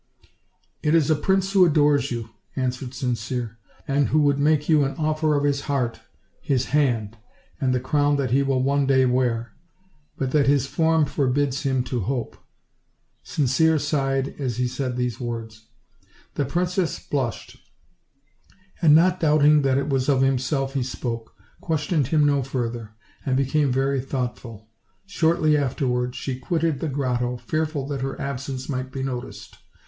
"It is a prince who adores you," answered Sincere, "and who would make you an offer of his heart, his hand, and the crown that he will one day wear; but that his form forbids him to hope." Sincere sighed as he said these words. The princess blushed, and not doubting that it was of himself he spoke, questioned him no further, and became very thoughtful; shortly afterward she quitted the grotto, fearful that her absence might be noticed.